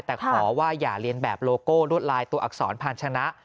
แต่ขอว่าอย่าเรียนแบบโลโก้ลวดลายตัวอักษรพาลชนะ